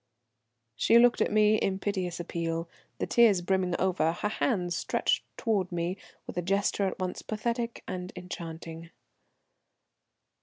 She looked at me in piteous appeal, the tears brimming over, her hands stretched towards me with a gesture at once pathetic and enchanting.